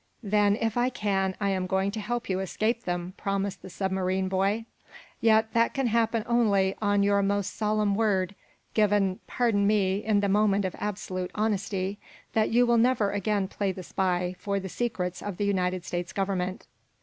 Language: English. "Then, if I can, I am going to help you to escape them," promised the submarine boy. "Yet that can happen only on your most solemn word given, pardon me, in a moment of absolute honesty that you will never again play the spy, for the secrets of the United States Government."